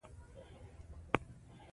افغانستان په ځنګلونه باندې تکیه لري.